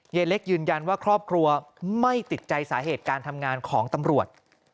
ยายเล็กยืนยันว่าครอบครัวไม่ติดใจสาเหตุการทำงานของตำรวจ